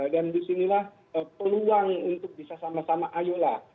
dan disinilah peluang untuk bisa sama sama ayolah